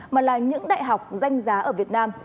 mà là những đại học danh dựng